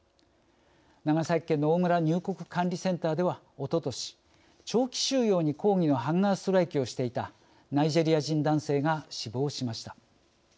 長崎県の大村入国管理センターではおととし、長期収容に抗議のハンガーストライキをしていたナイジェリア人男性が死亡しました。